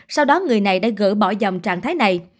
sau đó người này đã gỡ bỏ dòng trạng thái này